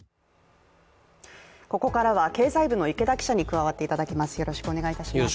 ここからは経済部の池田記者に加わっていただきます。